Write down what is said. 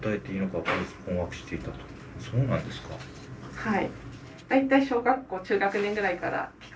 はい。